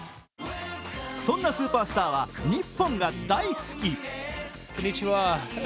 そんなスーパースターは日本が大好き。